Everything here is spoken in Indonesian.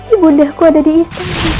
ibu indahku ada di istana